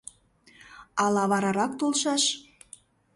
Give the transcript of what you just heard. Ала варарак толшаш?